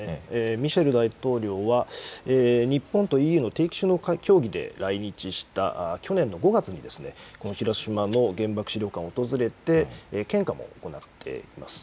ミシェル大統領は日本とＥＵの定期首脳協議で来日した去年の５月にこの広島の原爆資料館を訪れて献花も行っています。